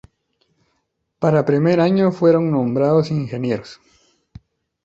Para Primer Año fueron nombrados: Ing.